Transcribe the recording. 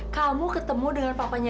kamu ketemu dengan bapaknya